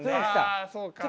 あそうか。